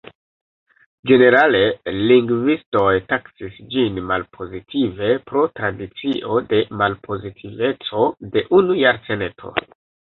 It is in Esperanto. Ĝenerale lingvistoj taksis ĝin malpozitive pro tradicio de malpozitiveco de unu jarcento.